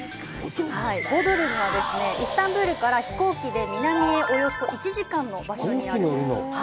ボドルムはですね、イスタンブルから飛行機で南へおよそ１時間の場所にあります。